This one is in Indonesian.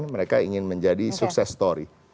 mereka ingin menjadi sukses story